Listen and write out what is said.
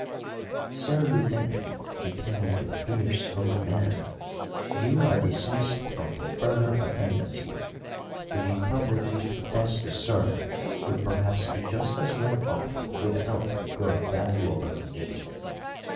"Sir Lieutenant," continued the fierce old man, "you are dismissed from further attendance here. The republic you profess to serve would perhaps be just as well off without your valuable aid.